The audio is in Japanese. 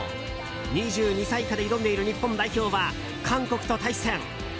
２２歳以下で挑んでいる日本代表は韓国と対戦。